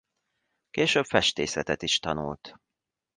Később festészetet is tanult.